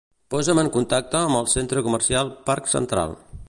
Posa'm en contacte amb el centre comercial Parc Central.